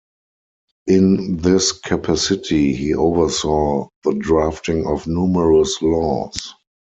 In this capacity, he oversaw the drafting of numerous laws.